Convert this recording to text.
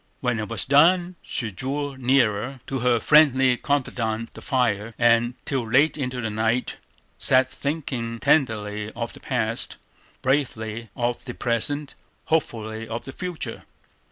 When it was done, she drew nearer, to her friendly confidante the fire, and till late into the night sat thinking tenderly of the past, bravely of the present, hopefully of the future.